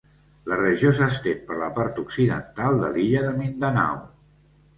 La regió s'estén per la part occidental de l'illa de Mindanao.